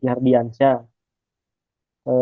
saya dari ardiansyah